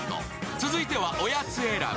続いては、おやつ選び。